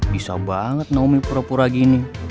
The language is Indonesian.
bisa banget nomi pura pura gini